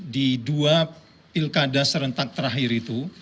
di dua pilkada serentak terakhir itu